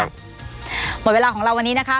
หมดเวลาของเราวันนี้นะคะ